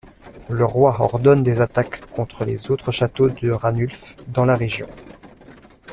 Le roi ordonne des attaques contre les autres châteaux de Ranulph dans la région.